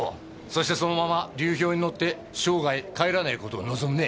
そしてそのまま流氷に乗って生涯帰らないことを望むね。